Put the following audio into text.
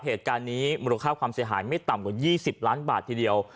เหตุการณ์นี้มูลค่าความเสียหายไม่ต่ำกว่า๒๐ล้านบาททีเดียว